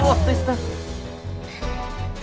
ya allah tis dah